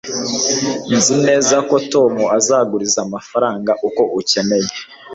nzi neza ko tom azaguriza amafaranga uko ukeneye